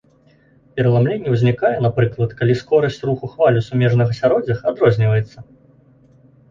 Пераламленне ўзнікае, напрыклад, калі скорасць руху хваль у сумежных асяроддзях адрозніваецца.